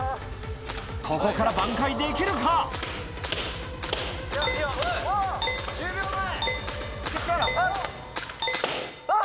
ここから挽回できるか⁉１０秒前！